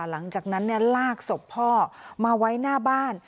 หลังจากนั้นลากศพพ่อมาไว้หน้าบ้าน